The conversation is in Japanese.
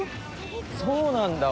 そうなんだ。